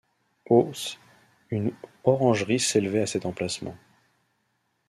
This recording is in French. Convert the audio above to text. Aux -s, une orangerie s'élevait à cet emplacement.